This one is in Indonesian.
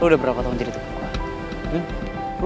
lo udah berapa tahun jadi dukung gue